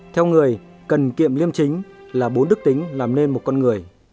theo người cần kiệm liêm chính là bốn đức tính làm nên một con người